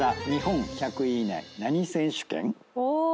お！